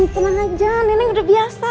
tenang aja neneng udah biasa